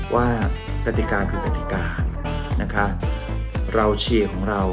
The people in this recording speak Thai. ว่าปฏิการคือปฏิการนะคะเราเชียร์ของเรา